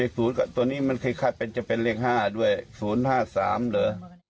เลขสูตรตัวนี้เคยคาดจะเป็นเลข๕ด้วย๐๐๕๓หรือ